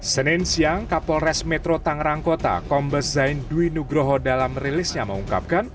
senin siang kapolres metro tangerang kota kombes zain dwi nugroho dalam rilisnya mengungkapkan